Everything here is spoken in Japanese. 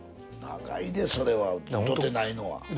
長いでそれはうとうてないのは。